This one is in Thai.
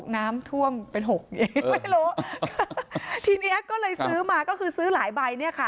น้ำท่วมเป็นหกเองไม่รู้ทีเนี้ยก็เลยซื้อมาก็คือซื้อหลายใบเนี่ยค่ะ